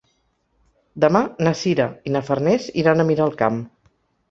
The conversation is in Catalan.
Demà na Sira i na Farners iran a Miralcamp.